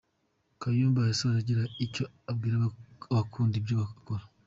Kayumba yasoje agira icyo abwira abakunda ibyo akora.